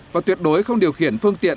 và tuyệt đối không điều khiển phương tiện